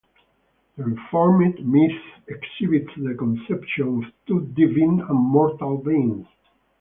The reformed myth exhibits the conception of two divine and mortal beings.